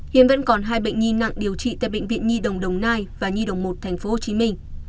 hiện vẫn còn hai bệnh nhi nặng điều trị tại bệnh viện nhi đồng đồng nai và nhi đồng một tp hcm